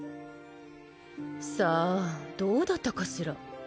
さあどうだったかしら。